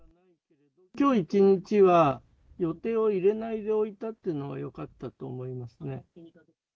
きょう一日は、予定を入れないでおいたっていうのがよかったと思いますね。